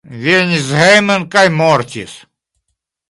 Venis hejmen kaj mortis.